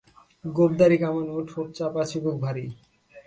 গোঁফদাড়ি কামানো, ঠোঁট চাপা, চিবুক ভারী।